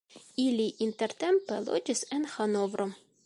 Ili intertempe loĝis en Hanovro.